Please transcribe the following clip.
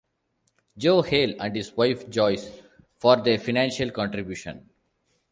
"Joe" Hale and his wife Joyce for their financial contribution.